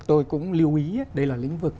tôi cũng lưu ý đây là lĩnh vực